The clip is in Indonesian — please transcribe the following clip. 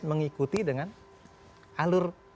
mengikuti dengan alur